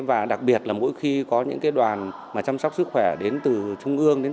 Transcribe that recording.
và đặc biệt là mỗi khi có những cái đoàn mà chăm sóc sức khỏe đến từ trung ương